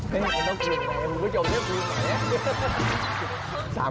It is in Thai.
ไม่เห็นต้องคุณเลยนะคุณก็จบเรื่องนี้ไหมนะฮ่า